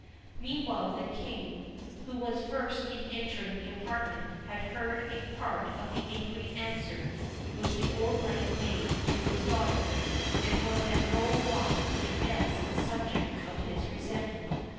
Meanwhile the King, who was first in entering the apartment, had heard a part of the angry answer which the old knight made to his daughter, and was at no loss to guess the subject of his resentment.